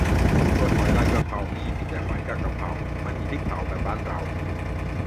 ส่วนหอยลายกะเพรานี่มีแต่หอยกะกะเพรา ไม่มีพริกเผาแบบบ้านเรา